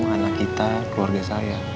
anak kita keluarga saya